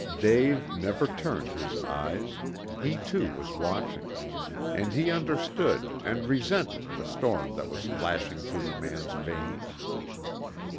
Dave never turned his eyes. He too was watching. And he understood, and resented, the storm that was lashing through the man's veins.